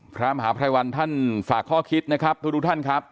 พระมหาภัยวันท่านฝากข้อคิดนะครับทุกท่านครับ